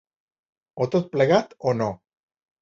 O tot plegat, o no.